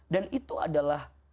dan itu adalah